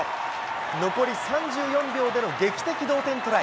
残り３４秒での劇的同点トライ。